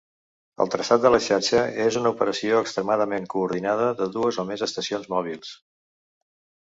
El traçat de la xarxa és una operació extremadament coordinada de dues o més estacions mòbils.